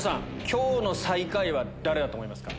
今日の最下位は誰だと思いますか？